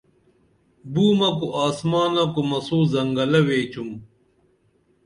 بُومہ کو آسمانہ کو مسوں زنگلہ ویچِم